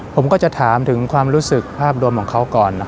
ผมก็จะถามถึงความรู้สึกภาพรวมของเขาก่อน